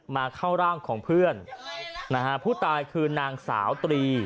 เข้าร่างของเพื่อนนะฮะผู้ตายคือนางสาวตรี